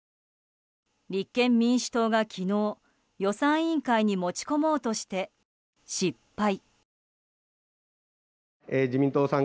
立憲民主党が昨日、予算委員会に持ち込もうとして失敗。